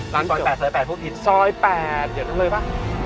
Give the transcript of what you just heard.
ร้านจบซอย๘ซอย๘พวกพิษซอย๘เดี๋ยวทำเลยป่ะ